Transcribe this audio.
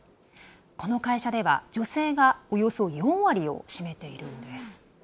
この会社では、女性がおよそ４割を占めているんです。